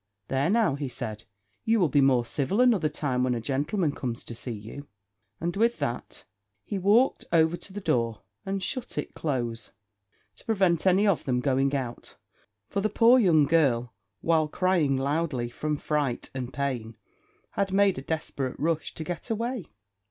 "There, now," he said, "you will be more civil another time when a gentleman comes to see you." And with that he walked over to the door and shut it close, to prevent any of them going out, for the poor young girl, while crying loudly from fright and pain, had made a desperate rush to get away.